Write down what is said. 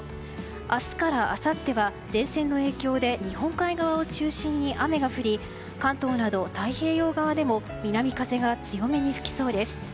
明日からあさっては前線の影響で日本海側を中心に雨が降り関東など太平洋側でも南風が強めに吹きそうです。